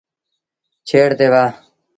ڇيڙ تي وهآ۔